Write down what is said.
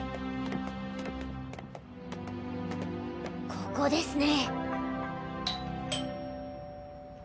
ここですね。